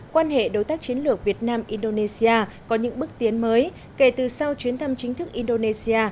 quan hệ đối tác chiến lược việt nam indonesia có những bước tiến mới kể từ sau chuyến thăm chính thức indonesia